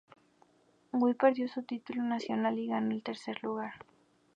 Weir perdió su título nacional y terminó en el tercer lugar.